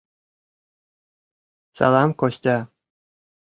— Салам, Костя!